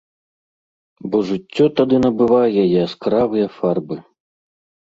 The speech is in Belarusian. Бо жыццё тады набывае яскравыя фарбы.